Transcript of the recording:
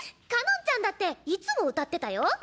かのんちゃんだっていつも歌ってたよ？